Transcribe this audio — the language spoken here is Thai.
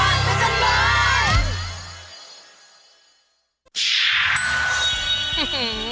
นี่